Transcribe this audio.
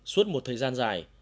suốt một thời gian dài